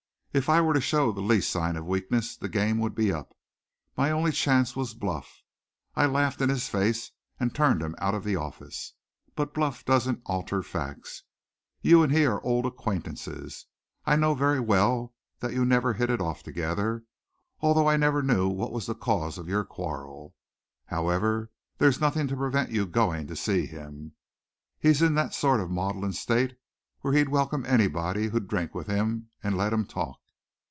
If I were to show the least sign of weakness, the game would be up. My only chance was bluff. I laughed in his face and turned him out of the office. But bluff doesn't alter facts. You and he are old acquaintances. I know very well that you never hit it off together, although I never knew what was the cause of your quarrel. However, there's nothing to prevent your going to see him. He's in that sort of maudlin state when he'd welcome anybody who'd drink with him and let him talk.